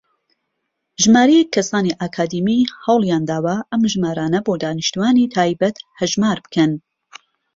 ژمارەیەک کەسانی ئەکادیمی هەوڵیانداوە ئەم ژمارانە بۆ دانیشتووانی تایبەت هەژمار بکەن.